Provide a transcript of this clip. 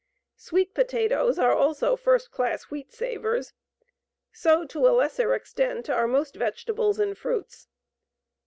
Sweet potatoes are also first class wheat savers. So to a lesser extent are most vegetables and fruits.